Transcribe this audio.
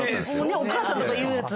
おかあさんとか言うやつ。